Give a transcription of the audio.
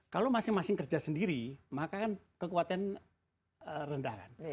kalau masing masing kerja sendiri maka kan kekuatan rendah kan